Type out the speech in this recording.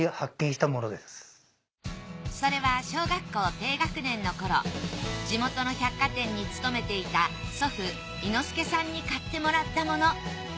それは小学校低学年の頃地元の百貨店に勤めていた祖父伊之助さんに買ってもらったもの。